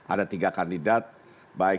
ada tiga kandidat baik